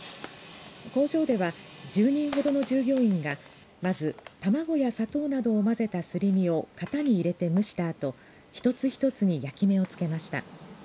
工場では１０人ほどの従業員がまず卵や砂糖などを混ぜたすり身を型に入れて蒸したあと１つ１つに焼き目をつけました。